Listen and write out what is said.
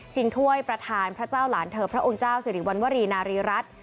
ถ้วยประธานพระเจ้าหลานเธอพระองค์เจ้าสิริวัณวรีนารีรัฐ